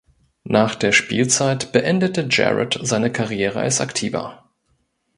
Nach der Spielzeit beendete Jarrett seine Karriere als Aktiver.